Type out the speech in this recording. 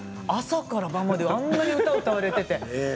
朝から晩まであんな歌を歌われていて。